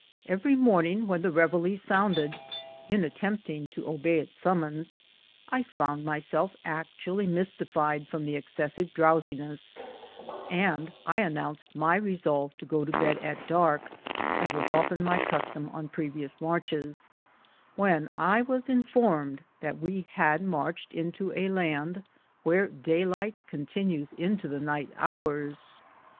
Every morning, when the reveille sounded, in attempt ing to obey its summons I found myself actually mysti fied from excessive drowsiness, and I announced my resolve to go to bed at dark — as was often my custom on previous marches — when I was informed that we had marched into a land where daylight continues into the night hours.